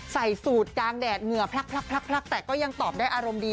ใส่สูตรกลางแดดเหงื่อพลักแต่ก็ยังตอบได้อารมณ์ดี